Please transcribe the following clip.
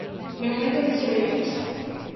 De momento a crise vai a máis.